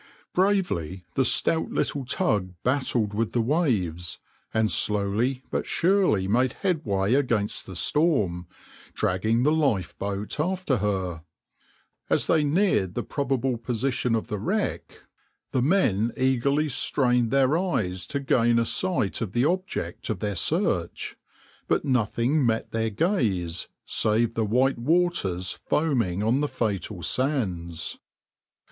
\par Bravely the stout little tug battled with the waves, and slowly but surely made headway against the storm, dragging the lifeboat after her. As they neared the probable position of the wreck, the men eagerly strained their eyes to gain a sight of the object of their search, but nothing met their gaze save the white waters foaming on the fatal sands.